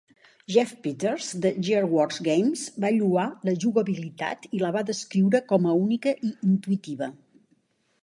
Jeff Peters, de GearWorks Games, va lloar la jugabilitat i la va descriure com a única i intuïtiva.